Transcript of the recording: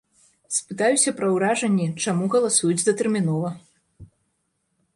Спытаюся пра ўражанні, чаму галасуюць датэрмінова.